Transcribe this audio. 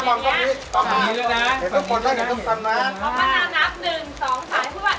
หนึ่งสองซ้ำยาดมนุษย์ป้า